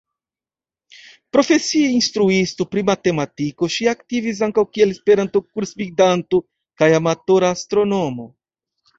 Profesie instruisto pri matematiko, ŝi aktivis ankaŭ kiel Esperanto-kursgvidanto kaj amatora astronomo.